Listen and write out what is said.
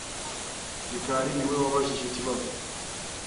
Mikali ni we wabajije ikibazo.